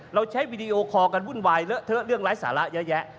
เราใช้วีดีโอคอลกันวุ่นวายเลอะเทอะเรื่องไร้สาระเยอะแยะ